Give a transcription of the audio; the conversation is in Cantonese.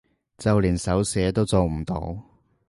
就連手寫都做唔到